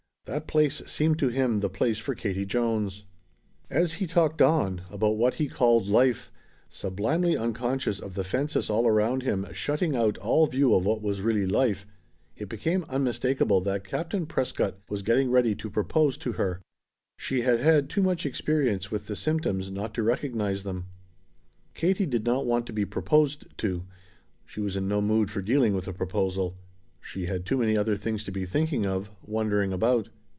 That place seemed to him the place for Katie Jones. As he talked on about what he called Life sublimely unconscious of the fences all around him shutting out all view of what was really life it became unmistakable that Captain Prescott was getting ready to propose to her. She had had too much experience with the symptoms not to recognize them. Katie did not want to be proposed to. She was in no mood for dealing with a proposal. She had too many other things to be thinking of, wondering about.